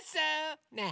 ねえ